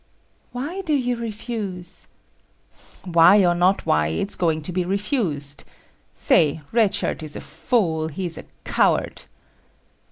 "Why do you refuse?" "Why or no why, it's going to be refused. Say, Red Shirt is a fool; he is a coward."